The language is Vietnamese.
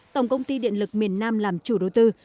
tổng công ty điện lực miền nam làm chủ đầu tư